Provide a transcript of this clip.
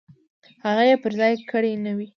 هغه یې پر ځای کړې نه وي.